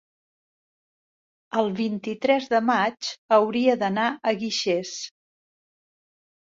el vint-i-tres de maig hauria d'anar a Guixers.